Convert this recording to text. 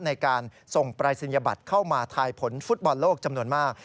ในการส่งปรายศนียบัตรเข้ามาทายผลฟุตบอลโลกจำนวนมาก